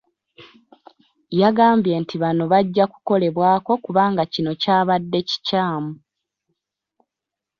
Yagambye nti bano bajja kukolebweko kubanga kino kyabadde kikyamu.